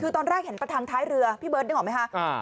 คือตอนแรกเห็นประทังท้ายเรือพี่เบิร์ดนึกออกไหมคะ